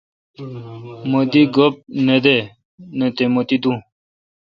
مہ دی گپ۔ نہ دہ مہ تی دون